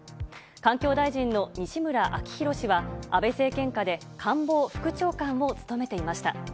環境大臣の西村明宏氏は、安倍政権下で官房副長官を務めていました。